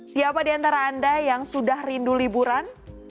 siapa di antara anda yang sudah rindu liburan